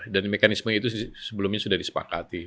dan mekanisme itu sebelumnya sudah disepakati